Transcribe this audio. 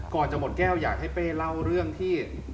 ก่อนจะหมดแก้วอยากให้เป้เล่าเรื่องที่